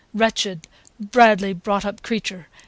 Wretched, badly brought up creature!